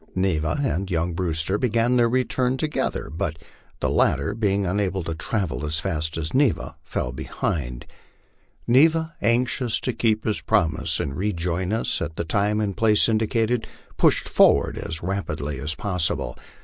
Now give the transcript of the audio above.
Neva and young Brewster began their return together, but the lat ter, being unable to travel as fast as Neva, fell behind. Neva, anxious to keep his promise and rejoin us at the time and place indicated, pushed forward as rapidly as possible.